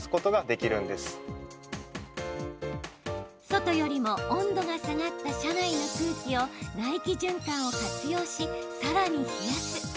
外よりも温度が下がった車内の空気を内気循環を活用し、さらに冷やす。